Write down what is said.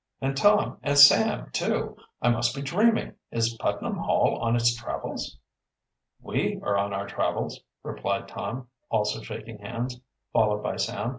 "And Tom and Sam, too! I must be dreaming. Is Putnam Hall on its travels?" "We are on our travels," replied Tom, also shaking hands, followed by Sam.